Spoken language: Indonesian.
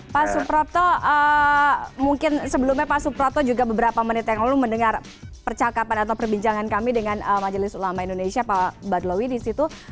pak suprapto mungkin sebelumnya pak suprapto juga beberapa menit yang lalu mendengar percakapan atau perbincangan kami dengan majelis ulama indonesia pak badlawi di situ